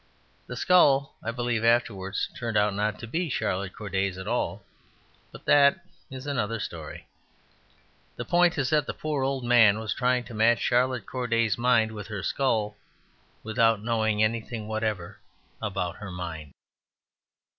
The skull, I believe, afterwards turned out not to be Charlotte Corday's at all; but that is another story. The point is that the poor old man was trying to match Charlotte Corday's mind with her skull without knowing anything whatever about her mind.